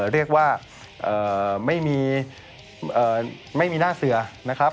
เรียกว่าไม่มีหน้าเสือนะครับ